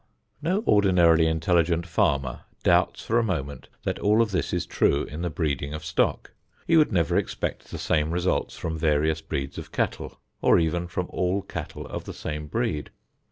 No ordinarily intelligent farmer doubts for a moment that all of this is true in the breeding of stock. He would never expect the same results from various breeds of cattle or even from all cattle of the same breed.